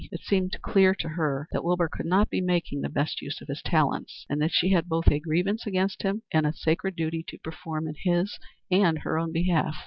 It seemed clear to her that Wilbur could not be making the best use of his talents, and that she had both a grievance against him and a sacred duty to perform in his and her own behalf.